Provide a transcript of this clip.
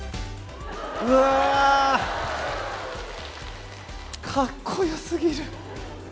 うわぁ、かっこよすぎる。